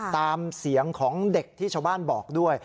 ตามเสียงของเด็กที่ชาวบ้านบอกด้วย